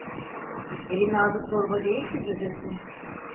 Elin ağzı torba değil ki büzesin.